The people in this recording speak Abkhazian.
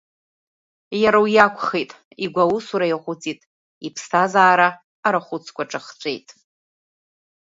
Иара уи акәхеит, игәы аусура иаҟәыҵит, иԥсҭазаара арахәыцқәа ҿахҵәеит.